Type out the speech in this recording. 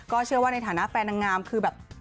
เชื่อว่าในฐานะแฟนนางงามคือแบบ